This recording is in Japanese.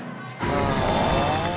ああ。